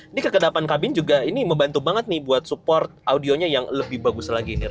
ini kekedapan kabin juga ini membantu banget nih buat support audionya yang lebih bagus lagi nih